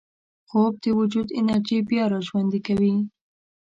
خوب د وجود انرژي بیا راژوندي کوي